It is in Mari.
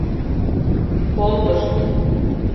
— Колтышт...